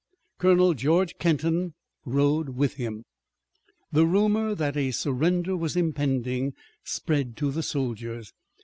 Colonel George Kenton rode with him. The rumor that a surrender was impending spread to the soldiers.